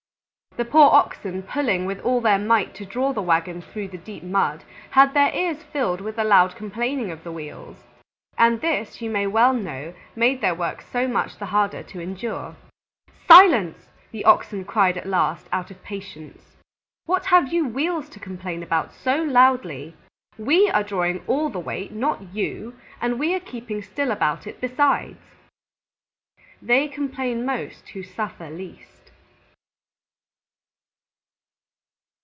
The poor Oxen, pulling with all their might to draw the wagon through the deep mud, had their ears filled with the loud complaining of the Wheels. And this, you may well know, made their work so much the harder to endure. "Silence!" the Oxen cried at last, out of patience. "What have you Wheels to complain about so loudly? We are drawing all the weight, not you, and we are keeping still about it besides." _They complain most who suffer least.